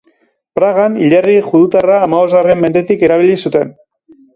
Pragan hilerri judutarra hamabostgarren mendetik erabili zuten.